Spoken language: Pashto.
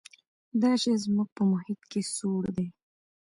دا شی زموږ په محیط کې سوړ دی.